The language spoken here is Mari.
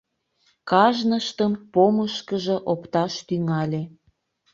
Кажныштым помышкыжо опташ тӱҥале.